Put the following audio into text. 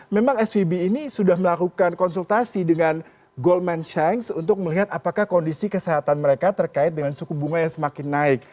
memang svb ini sudah melakukan konsultasi dengan goldman change untuk melihat apakah kondisi kesehatan mereka terkait dengan suku bunga yang semakin naik